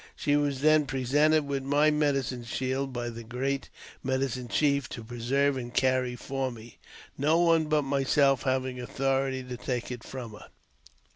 She was then presented with my medicine shield by the great medicine chief, to pre serve and carry for me, no one but myself having authority to take it from her.